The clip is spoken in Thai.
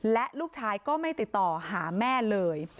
และลูกชายก็ไม่ติดต่อหาแม่เลย